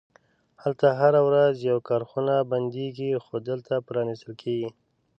هلته هره ورځ یوه کارخونه بندیږي، خو دلته پرانیستل کیږي